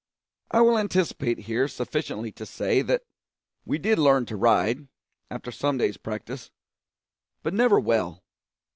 I will anticipate here sufficiently to say that we did learn to ride, after some days' practice, but never well.